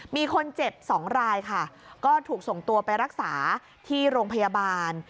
มีคนเจ็บ๒รายค่ะก็ถูกส่งตัวไปรักษาที่โรงพยาบาล